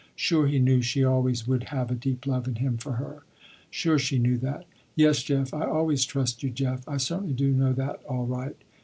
Sure he knew she always would have a deep love in him for her. Sure she knew that. "Yes Jeff, I always trust you Jeff, I certainly do know that all right."